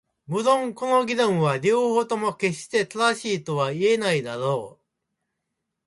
無論この議論は両方とも決して正しいとは言えないだろう。